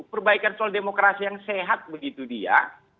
perbaikan soal demokrasi yang sehat begitu dia